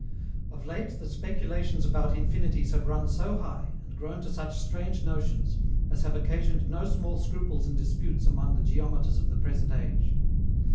Of late the speculations about Infinities have run so high, and grown to such strange notions, as have occasioned no small scruples and disputes among the geometers of the present age.